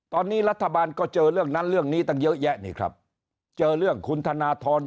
ตอนนี้รัฐบาลก็เจอเรื่องนั้นเรื่องนี้ตั้งเยอะแยะนี่ครับเจอเรื่องคุณธนทร